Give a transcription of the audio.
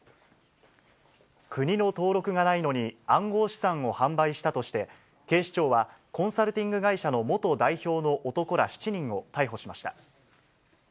国の登録がないのに、暗号資産を販売したとして、警視庁はコンサルティング会社の元代表の男ら７人を逮捕しました。